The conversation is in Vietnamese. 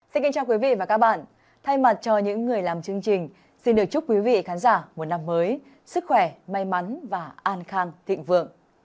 xin kính chào quý vị và các bạn thay mặt cho những người làm chương trình xin được chúc quý vị khán giả một năm mới sức khỏe may mắn và an khang thịnh vượng